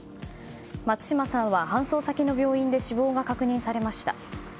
松島さんは搬送先の病院で死亡が確認されました。